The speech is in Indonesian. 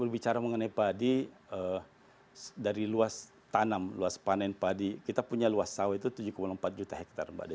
bicara mengenai padi dari luas tanam luas panen padi kita punya luas sawah itu tujuh empat juta hektare